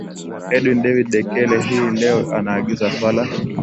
edwin david dekele hii leo anaangazia swala